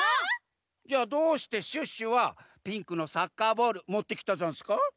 じゃあどうしてシュッシュはピンクのサッカーボールもってきたざんすか？